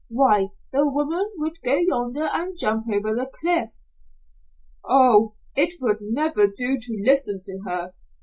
Why, the woman would go yonder and jump over the cliff." "Oh, it would never do to listen to her.